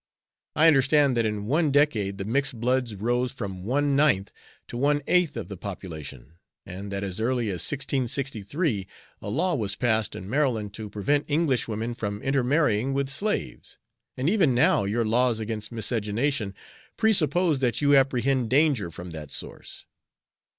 I understand that in one decade the mixed bloods rose from one ninth to one eighth of the population, and that as early as 1663 a law was passed in Maryland to prevent English women from intermarrying with slaves; and, even now, your laws against miscegenation presuppose that you apprehend danger from that source."